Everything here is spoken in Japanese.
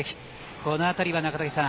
この辺りは中竹さん